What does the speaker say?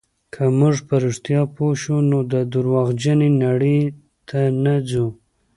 که موږ په رښتیا پوه شو، نو درواغجنې نړۍ ته نه ځو.